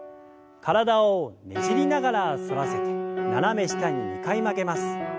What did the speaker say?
体をねじりながら反らせて斜め下に２回曲げます。